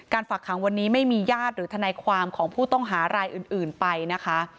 ฝากขังวันนี้ไม่มีญาติหรือทนายความของผู้ต้องหารายอื่นไปนะคะ